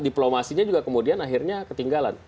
diplomasinya juga kemudian akhirnya ketinggalan